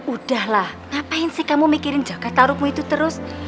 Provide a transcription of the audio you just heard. udahlah ngapain sih kamu mikirin jaka tarukmu itu terus